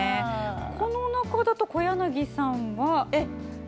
この中だと、小柳さんは。